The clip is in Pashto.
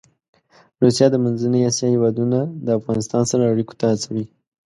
روسیه د منځنۍ اسیا هېوادونه د افغانستان سره اړيکو ته هڅوي.